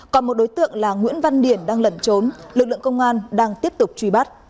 còn một đối tượng là nguyễn văn điển đang lẩn trốn lực lượng công an đang tiếp tục truy bắt